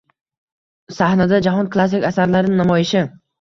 Sahnada jahon klassik asarlari namoyishi